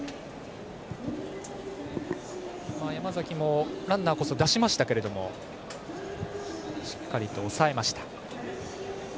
山崎もランナーこそ出しましたけどしっかりと抑えました。